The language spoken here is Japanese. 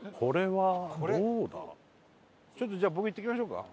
ちょっとじゃあ僕行ってきましょうか？